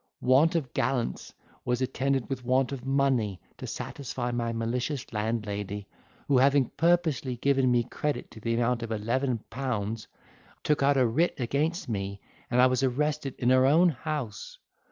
Want of gallants was attended with want of money to satisfy my malicious landlady, who having purposely given me credit to the amount of eleven pounds, took out a writ against me and I was arrested in her own house.